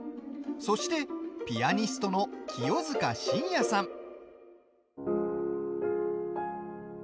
そして、ピアニストの清塚信也さん。